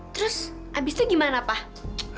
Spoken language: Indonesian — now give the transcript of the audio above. terus habis itu gimana pak